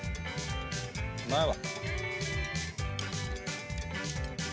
うまいわ。